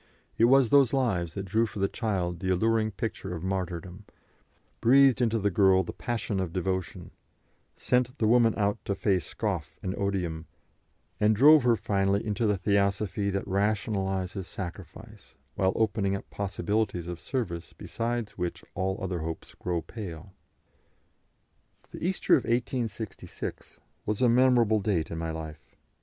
It was those lives that drew for the child the alluring pictures of martyrdom, breathed into the girl the passion of devotion, sent the woman out to face scoff and odium, and drove her finally into the Theosophy that rationalises sacrifice, while opening up possibilities of service beside which all other hopes grow pale. The Easter of 1866 was a memorable date in my life.